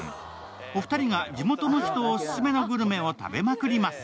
お二人が地元の人オススメのグルメを食べまくります。